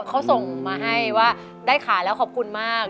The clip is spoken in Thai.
เขาส่งมาให้ว่าได้ขายแล้วขอบคุณมาก